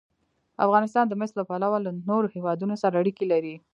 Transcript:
افغانستان د مس له پلوه له نورو هېوادونو سره اړیکې لري.